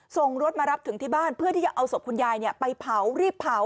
ส่งรถมารับถึงที่บ้านเพื่อที่จะเอาศพคุณยายไปเผารีบเผา